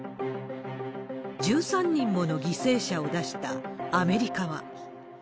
１３人もの犠牲者を出したアメリカは。